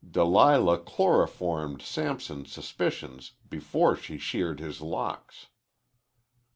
"Delilah chloroformed Samson's suspicions before she sheared his locks."